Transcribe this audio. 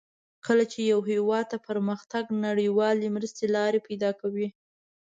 کله چې یو هېواد ته پرمختګ نړیوالې مرستې لار پیداکوي.